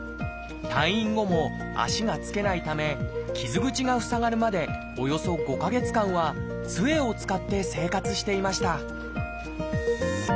退院後も足がつけないため傷口が塞がるまでおよそ５か月間はつえを使って生活していました